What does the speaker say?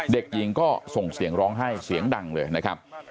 เด็กหญิงก็ส่งเสียงร้องให้เสียงดังเลยนะครับ